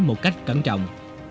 một cách cẩn trọng